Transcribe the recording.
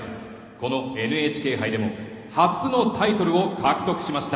このＮＨＫ杯でも初のタイトルを獲得しました。